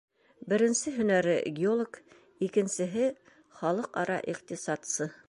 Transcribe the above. Беренсе һөнәре — геолог, икенсеһе — халыҡ-ара иҡтисадсы.